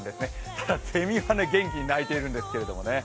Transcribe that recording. ただ、セミは元気に鳴いているんですけどね。